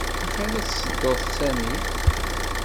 Axir ad tettuḍ Sami.